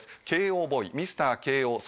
慶応ボーイミスター慶応